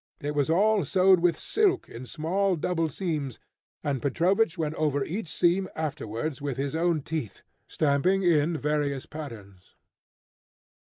It was all sewed with silk, in small, double seams, and Petrovich went over each seam afterwards with his own teeth, stamping in various patterns.